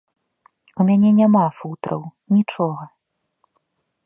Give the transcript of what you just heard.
У мяне няма футраў, нічога.